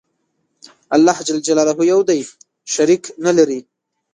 الله ج یو دی. شریک نلري.